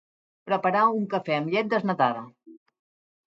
Preparar un cafè amb llet desnatada.